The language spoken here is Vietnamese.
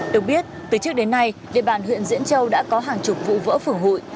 được biết từ trước đến nay địa bàn huyện diễn châu đã có hàng chục vụ vỡ phưởng hụi